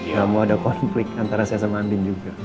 gak mau ada konflik antara saya sama andin juga